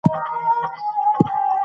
دغو نښو ته حرکات او سکون وايي.